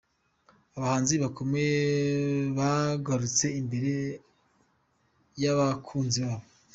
Abahanzi bakomeye bagarutse imbere y’abakunzi babo.